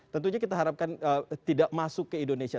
tentunya kita harapkan tidak masuk ke indonesia